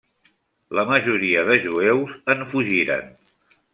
La majoria de jueus en fugiren.